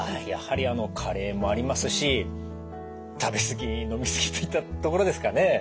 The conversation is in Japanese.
やはりあの加齢もありますし食べ過ぎ飲み過ぎといったところですかね。